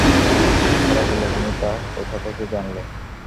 তারা বলল, তুমি তা কোথা থেকে জানলে?